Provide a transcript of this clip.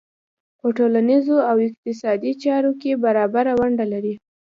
په ټولنیزو او اقتصادي چارو کې برابره ونډه لري.